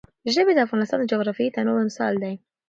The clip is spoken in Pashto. ژبې د افغانستان د جغرافیوي تنوع مثال دی.